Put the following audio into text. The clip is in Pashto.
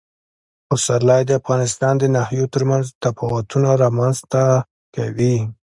پسرلی د افغانستان د ناحیو ترمنځ تفاوتونه رامنځ ته کوي.